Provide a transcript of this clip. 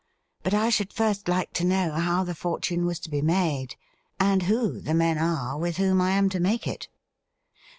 But I should first like to know how the fortune was to be made, and who the men are with whom I am to make it.'